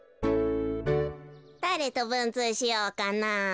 だれとぶんつうしようかなあ。